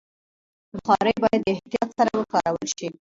بخاري باید د احتیاط سره وکارول شي.